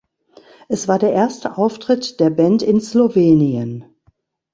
Es war der erste Auftritt, der Band in Slowenien.